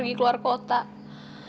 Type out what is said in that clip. jangan kag fermentation ha sauce